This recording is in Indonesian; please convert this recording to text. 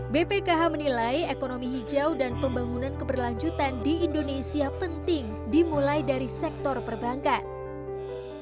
bpkh menilai ekonomi hijau dan pembangunan keberlanjutan di indonesia penting dimulai dari sektor perbankan